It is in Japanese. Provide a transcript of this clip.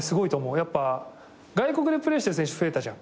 やっぱ外国でプレーしてる選手増えたじゃん。